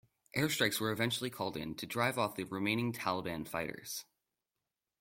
Air strikes were eventually called in to drive off the remaining Taliban fighters.